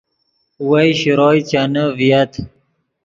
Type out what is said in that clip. وئے شروئے چینے ڤییت